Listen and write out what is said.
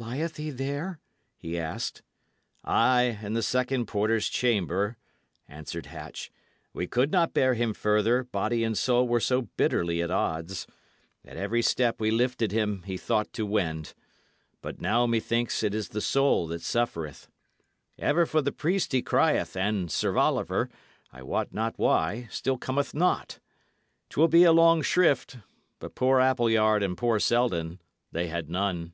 "Lieth he there?" he asked. "Ay, in the second porter's chamber," answered Hatch. "We could not bear him further, soul and body were so bitterly at odds. At every step we lifted him, he thought to wend. But now, methinks, it is the soul that suffereth. Ever for the priest he crieth, and Sir Oliver, I wot not why, still cometh not. 'Twill be a long shrift; but poor Appleyard and poor Selden, they had none."